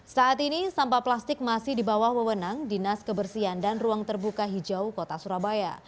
saat ini sampah plastik masih di bawah wewenang dinas kebersihan dan ruang terbuka hijau kota surabaya